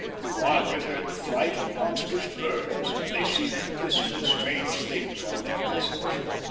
Margaret heard the flight of monstrous birds, and they seemed to whisper strange things on their passage.